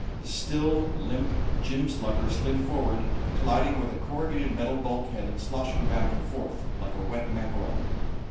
The still limp gym slugger slid downward, colliding with a corrugated metal bulkhead and sloshing back and forth like a wet mackerel.